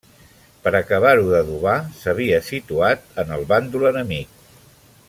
Per acabar-ho d'adobar, s'havia situat en el bàndol enemic.